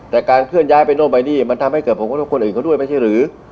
แต่การเคลื่อนย้ายไปโน่นไปนี่มันทำให้เกิดผลกระทบคนอื่นเขาด้วยไม่ใช่หรือ